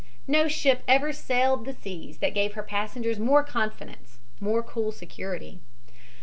No ship ever sailed the seas that gave her passengers more confidence, more cool security.